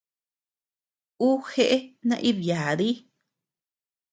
Ú jeʼe naíd-yádi.